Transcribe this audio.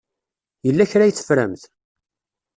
Yella kra ay teffremt?